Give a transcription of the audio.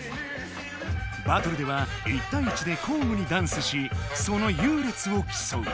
バトルでは１たい１で交ごにダンスしそのゆうれつをきそう。